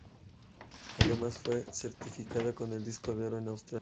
Además fue certificado con el disco de oro en Australia.